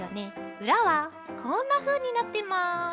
うらはこんなふうになってます。